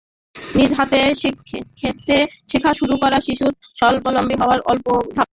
নিজ হাতে খেতে শেখা শুরু করা শিশুর স্বাবলম্বী হওয়ার প্রথম ধাপ।